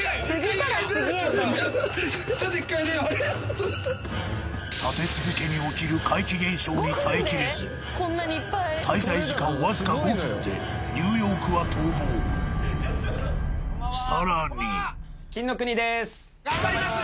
ちょっとちょっと１回出よう立て続けに起きる怪奇現象に耐えきれず滞在時間わずか５分でニューヨークは逃亡さらに金の国でーす頑張ります